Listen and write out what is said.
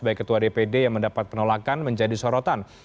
baik ketua dpd yang mendapat penolakan menjadi sorotan